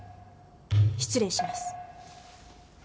失礼します。